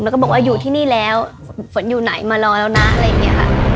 แล้วก็บอกว่าอยู่ที่นี่แล้วฝนอยู่ไหนมารอแล้วนะอะไรอย่างนี้ค่ะ